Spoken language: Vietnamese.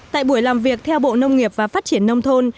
tại buổi làm việc theo bộ nông nghiệp và phát triển nông thôn